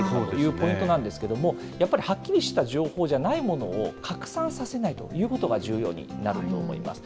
ポイントなんですけれども、やっぱりはっきりした情報じゃないものを拡散させないということが重要になると思います。